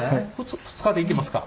２日でいけますか？